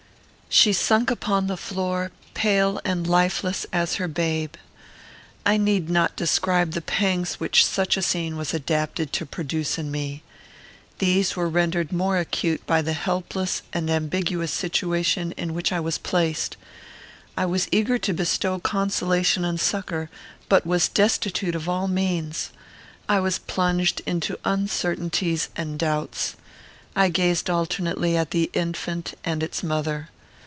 She sunk upon the floor, pale and lifeless as her babe. I need not describe the pangs which such a scene was adapted to produce in me. These were rendered more acute by the helpless and ambiguous situation in which I was placed. I was eager to bestow consolation and succour, but was destitute of all means. I was plunged into uncertainties and doubts. I gazed alternately at the infant and its mother.